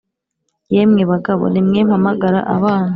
Yemwe bagabo ni mwe mpamagara abana